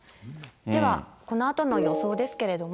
では、このあとの予想ですけれども。